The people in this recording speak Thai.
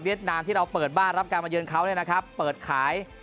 นามที่เราเปิดบ้านรับการมาเยือนเขาเนี่ยนะครับเปิดขาย